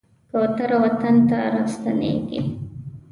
کوتره وطن ته راستنېږي.